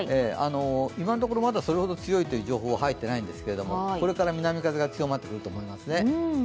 今のところ、まだそれほど強いという情報は入っていないんですがこれから南風が強まってくると思いますね。